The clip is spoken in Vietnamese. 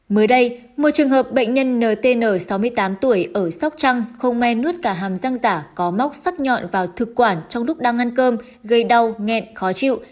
mới đây một trường hợp bệnh nhân ntn sáu mươi tám tuổi ở sóc trăng không me nuốt cả hàm răng giả có móc sắc nhọn vào thực quản trong lúc đang ăn cơm gây đau nghẹn khó chịu